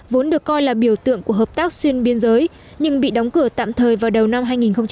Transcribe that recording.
vốn được coi là biểu tượng của hợp tác xuyên biên giới nhưng bị đóng cửa tạm thời vào đầu năm hai nghìn một mươi